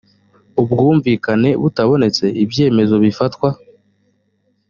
ubwumvikane butabonetse ibyemezo bifatwa